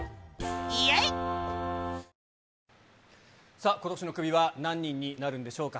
さあ、ことしのクビは何人になるんでしょうか。